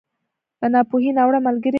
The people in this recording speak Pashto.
ناپوهي، ناوړه ملګری دی.